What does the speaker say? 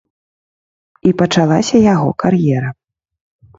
І пачалася яго кар'ера.